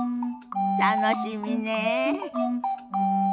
楽しみねえ。